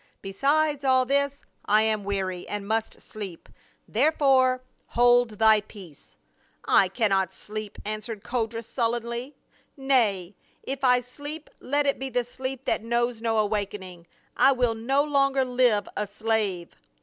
Besides all this, T am weary and must sleep, therefore hold thy peace." " I cannot sleep," answered Codrus, sullenly. "Nay, if I sleep, let it be the sleep that knows no awakening. I will no longer live a slave."